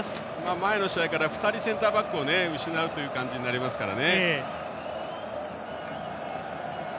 前の試合から２人センターバックを失うということになりますからね。